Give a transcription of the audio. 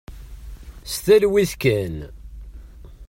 S talwit kan.